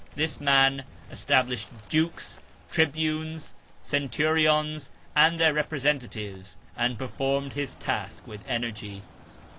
This man established dukes, tribunes, cen turions and their representatives, and performed his task with energy.